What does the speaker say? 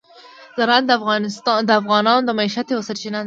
زراعت د افغانانو د معیشت یوه سرچینه ده.